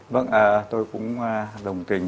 vâng tôi cũng đồng tình